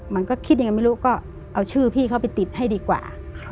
มันก็คิดยังไงไม่รู้ก็เอาชื่อพี่เขาไปติดให้ดีกว่า